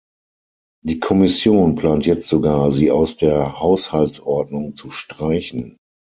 Die Kommission plant jetzt sogar, sie aus der Haushaltsordnung zu streichen.